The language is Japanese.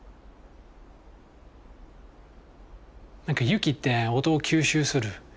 何か雪って音を吸収する。